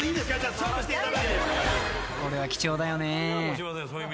［これは貴重だよね］